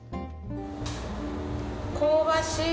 香ばしい！